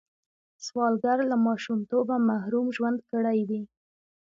سوالګر له ماشومتوبه محروم ژوند کړی وي